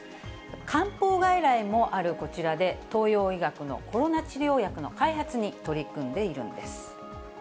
漢方外来もあるこちらで、東洋医学のコロナ治療薬の開発に取り組んでいるんです。